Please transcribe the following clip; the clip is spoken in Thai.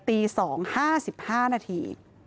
ตี๒๕๕นาที